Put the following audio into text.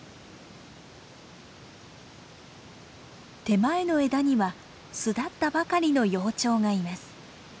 手前の枝には巣立ったばかりの幼鳥がいます。